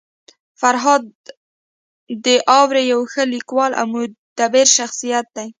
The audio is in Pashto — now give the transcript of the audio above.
فرهاد داوري يو ښه لیکوال او مدبر شخصيت دی.